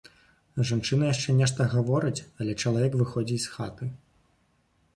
Жанчына яшчэ нешта гаворыць, але чалавек выходзіць з хаты.